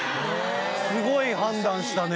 スゴい判断したね。